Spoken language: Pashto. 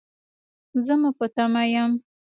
زه مو په تمه یم